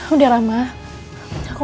udah rama aku gak apa apa kok